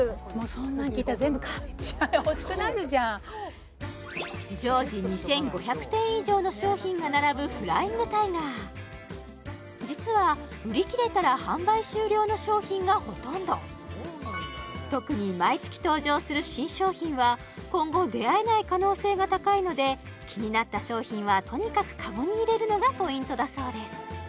そんなん聞いたら全部買っちゃう欲しくなるじゃん常時２５００点以上の商品が並ぶフライングタイガー実は特に毎月登場する新商品は今後出会えない可能性が高いので気になった商品はとにかくカゴに入れるのがポイントだそうです